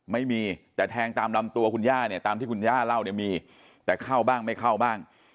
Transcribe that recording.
ไม่มีแต่แทงตามลำตัวคุณย่าเนี่ยตามที่คุณย่าเล่าเนี่ยมีแต่เข้าบ้างไม่เข้าบ้าง